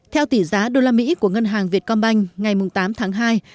theo tỷ giá usd của ngân hàng việt công banh ngày tám tháng hai